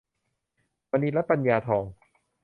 มณีรัตน์ ปัญญาทอง